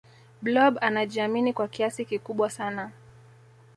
blob anajiamini kwa kiasi kikubwa sana